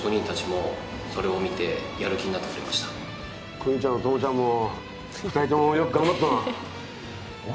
クニちゃんもトモちゃんも２人ともよく頑張ってるな。